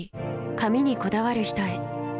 髪にこだわる人へ。